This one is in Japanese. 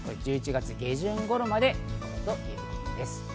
１１月下旬頃までということです。